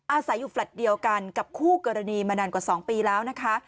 อาศัยอยู่แฟลต์เดียวกันกับคู่กรณีมานานกว่า๒ปีแล้วนะคะ